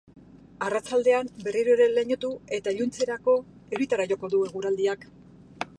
Arratsaldean berriro ere lainotu eta iluntzerako euritara joko du eguraldiak.